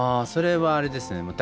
それはあれですね